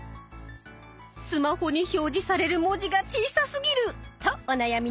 スマホに表示される文字が小さすぎる！とお悩みの皆さん。